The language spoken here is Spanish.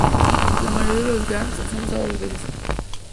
La mayoría de los gags son usados dos veces.